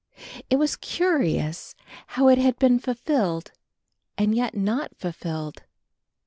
It was curious how it had been fulfilled and yet not fulfilled.